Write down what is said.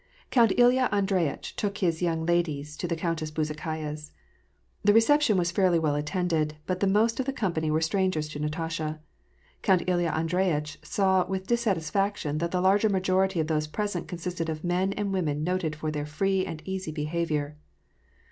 CouKT Ilya Andreyitch took his young ladies to the Countess Bezukhaya's. The reception was fairly well attended, but the most of the company were strangers to Natasha. Count Ilya Andreyitch saw with dissatisfaction that the larger majority of those present consisted of men and women noted for their free and easy behavior.